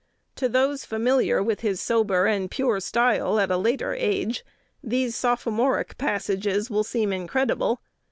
To those familiar with his sober and pure style at a later age, these sophomoric passages will seem incredible.